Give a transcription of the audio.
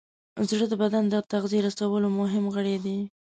زړه د بدن د تغذیې رسولو مهم غړی دی.